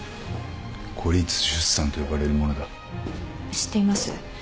知っています。